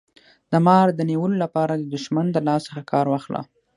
د مار د نیولو لپاره د دښمن د لاس څخه کار واخله.